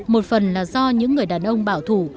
một phần là do những người đàn ông bảo thủ